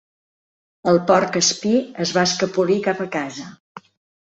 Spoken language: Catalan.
El porc espí es va escapolir cap a casa.